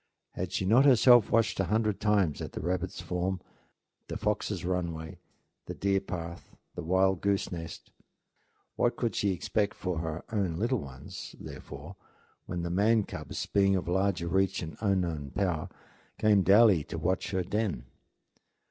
Had she not herself watched a hundred times at the rabbit's form, the fox's runway, the deer path, the wild goose nest? What could she expect for her own little ones, therefore, when the man cubs, beings of larger reach and unknown power, came daily to watch at her den?